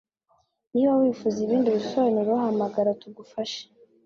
niba wifuza ibindi bisobanuro hamagara tugufashe